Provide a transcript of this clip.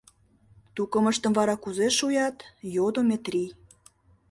Тукымыштым вара кузе шуят? — йодо Метрий.